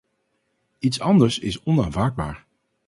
Iets anders is onaanvaardbaar.